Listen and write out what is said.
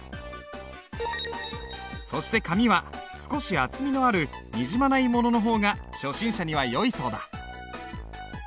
そして紙は少し厚みのあるにじまないものの方が初心者にはよいそうだ。